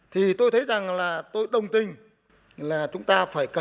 thì tôi thấy rằng là tôi đồng tình là chúng ta phải cần